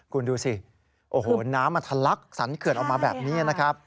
คุณดูสิน้ำทะลักสันเขื่อนออกมาแบบนี้